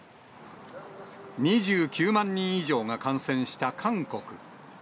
２９万人以上が感染した韓国。